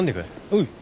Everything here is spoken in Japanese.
おう。